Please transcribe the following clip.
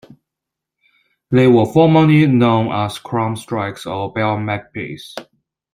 They were formerly known as crow-shrikes or bell-magpies.